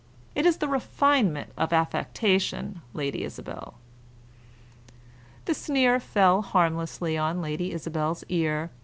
"It is the refinement of affectation, Lady Isabel." The sneer fell harmlessly on Lady Isabel's ear.